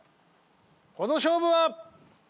この勝負は。